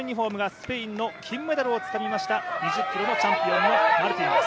スペインの金メダルをつかみました２０ｋｍチャンピオンのマルティン。